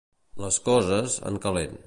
Les coses, en calent.